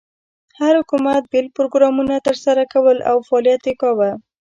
هر حکومت بېل پروګرامونه تر سره کول او فعالیت یې کاوه.